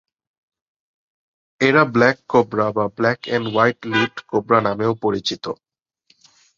এরা black cobra বা black and white lipped cobra নামেও পরিচিত।